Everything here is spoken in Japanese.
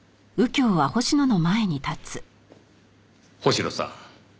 星野さん。